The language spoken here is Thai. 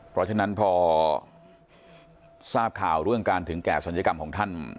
เพราะฉะนั้นพอทราบข่าวเรื่องการถึงแก่ศัลยกรรมของท่าน